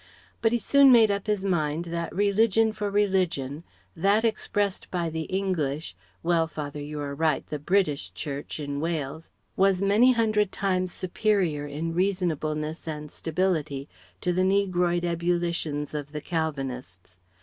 But he soon made up his mind that religion for religion, that expressed by the English "Well, father, you are right the 'British'" Church in Wales was many hundred times superior in reasonableness and stability to the negroid ebullitions of the Calvinists.